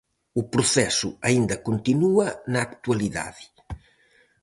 O proceso aínda continúa na actualidade.